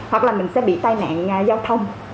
hoặc là mình sẽ bị tai nạn giao thông